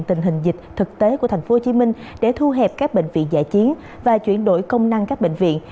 tình hình dịch thực tế của tp hcm để thu hẹp các bệnh viện giải chiến và chuyển đổi công năng các bệnh viện